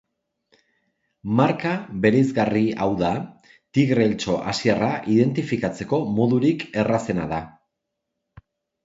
Marka bereizgarri hau da, tigre-eltxo Asiarra identifikatzeko modurik errazena da.